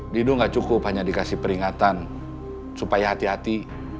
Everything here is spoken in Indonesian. didu gak cukup hanya dikasih peringatan supaya hati hati